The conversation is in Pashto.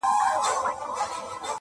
قلندر ويل تا غوښتل غيرانونه!!